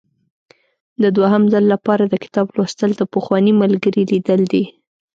د دوهم ځل لپاره د کتاب لوستل د پخواني ملګري لیدل دي.